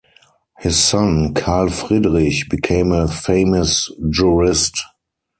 His son, Karl Friedrich, became a famous jurist.